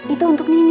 itu untuk nini